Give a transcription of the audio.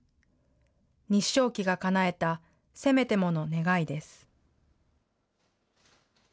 日章旗がかなえた、せめてもの願いです。